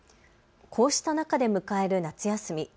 こうした中で迎える夏休み。